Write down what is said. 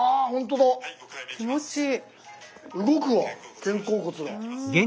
もう気持ちいい。